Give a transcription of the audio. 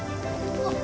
あっ。